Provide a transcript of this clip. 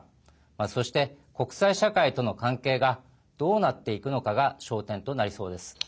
そして、国際社会との関係がどうなっていくのかが焦点となりそうです。